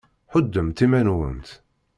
Ḥuddemt iman-went!